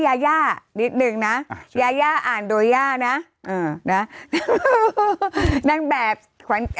ยายานิดหนึ่งน่ะยายาอ่านโดยยาน่ะเออน่ะนางแบบขวัญ